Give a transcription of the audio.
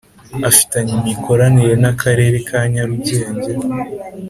afitanye imikoranire n’akarere ka nyarugenge